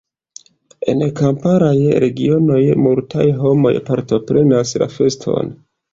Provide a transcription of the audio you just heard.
En kamparaj regionoj multaj homoj partoprenas la feston.